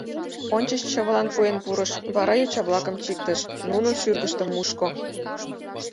Ончыч чывылан пуэн пурыш, вара йоча-влакым чиктыш, нунын шӱргыштым мушко.